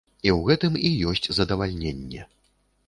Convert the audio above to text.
І ў гэтым і ёсць задавальненне.